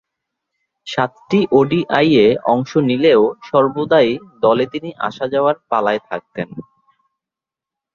সাতটি ওডিআইয়ে অংশ নিলেও সর্বদাই দলে তিনি আসা-যাওয়ার পালায় থাকতেন।